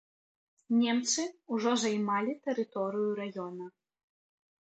Немцы ўжо займалі тэрыторыю раёна.